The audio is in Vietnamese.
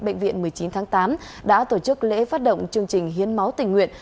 bệnh viện một mươi chín tháng tám đã tổ chức lễ phát động chương trình hiến máu tình nguyện